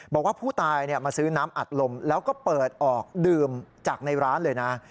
บอกว่าผู้ตายมาซื้อน้ำอัดลมแล้วก็เปิดออกดื่มจากในร้านเลยนะ